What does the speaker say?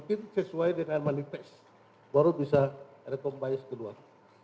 ini saja itu dibawah